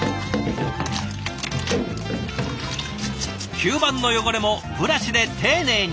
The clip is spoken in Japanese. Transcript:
吸盤の汚れもブラシで丁寧に。